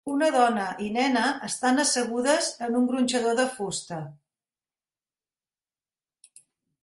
Una dona i nena estan assegudes en un gronxador de fusta